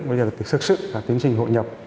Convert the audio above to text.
bây giờ thực sự là tiến trình hội nhập